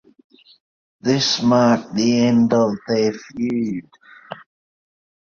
This marked the end of their feud.